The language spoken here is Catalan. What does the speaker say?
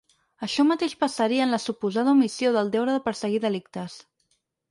Això mateix passaria en la suposada omissió del deure de perseguir delictes.